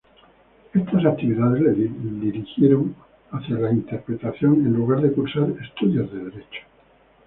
Estas actividades le dirigieron hacia la interpretación en lugar de cursar estudios de derecho.